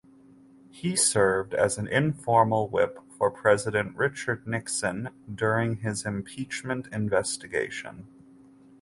He served as an informal whip for President Richard Nixon during his impeachment investigation.